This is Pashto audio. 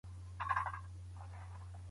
هر وګړی د ټولنې یو فعال غړی دی.